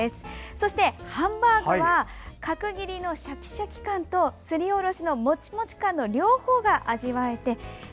そしてハンバーグは角切りのシャキシャキ感とすりおろしのモチモチ感の両方が味わえます。